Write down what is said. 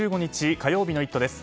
火曜日の「イット！」です。